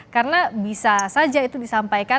karena bisa saja itu disampaikan